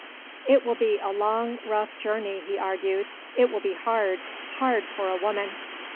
"It will be a long, rough journey," he argued. "It will be hard hard for a woman."